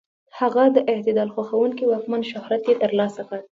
هغه د اعتدال خوښونکي واکمن شهرت یې تر لاسه کړ.